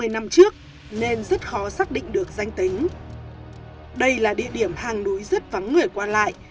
năm trước nên rất khó xác định được danh tính đây là địa điểm hang núi rất vắng người quan lại